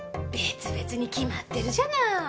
別々に決まってるじゃない。